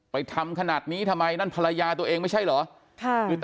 ทำขนาดนี้ทำไมนั่นภรรยาตัวเองไม่ใช่เหรอ